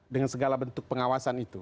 dengan segala bentuk pengawasan itu